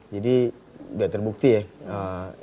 jadi udah terbukti ya